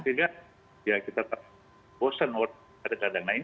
sehingga ya kita tak bosan ada kadang lain